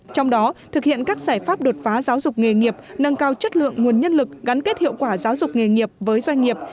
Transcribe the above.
trong đó thực hiện các giải pháp đột phá giáo dục nghề nghiệp nâng cao chất lượng nguồn nhân lực gắn kết hiệu quả giáo dục nghề nghiệp với doanh nghiệp